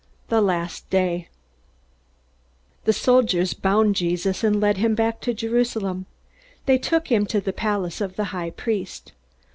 The Last Day The soldiers bound Jesus and led him back to Jerusalem. They took him to the palace of the high priest.